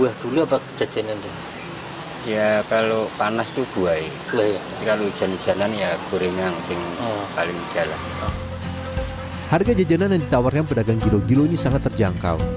harga jajanan yang ditawarkan pedagang gilo gilo ini sangat terjangkau